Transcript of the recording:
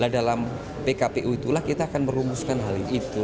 dalam pkpu itulah kita akan merumuskan hal itu